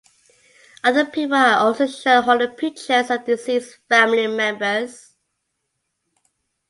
Other people are also shown holding pictures of deceased family members.